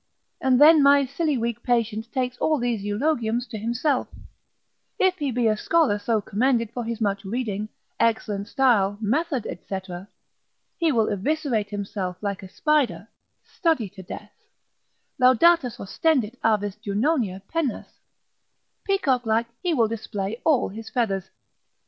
And then my silly weak patient takes all these eulogiums to himself; if he be a scholar so commended for his much reading, excellent style, method, &c., he will eviscerate himself like a spider, study to death, Laudatas ostendit avis Junonia pennas, peacock like he will display all his feathers.